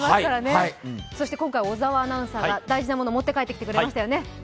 今回、小沢アナウンサーが大事なものを持って帰ってきてくれましたよね。